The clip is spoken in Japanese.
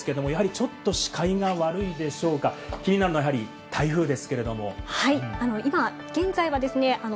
現在の那覇空港ですけれども、やはりちょっと視界が悪いでしょうか、気になるのやはり、台風ですけれども。